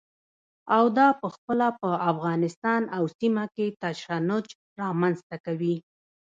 او دا پخپله په افغانستان او سیمه کې تشنج رامنځته کوي.